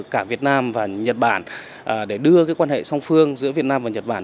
cả việt nam và nhật bản để đưa quan hệ song phương giữa việt nam và nhật bản